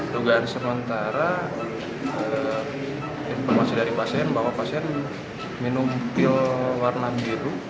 dugaan sementara informasi dari pasien bahwa pasien minum pil warna biru